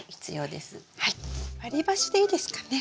割り箸でいいですかね？